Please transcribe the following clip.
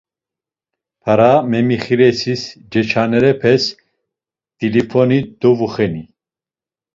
Para memixiresis ceçanerepes t̆ilifoni dovuxeni.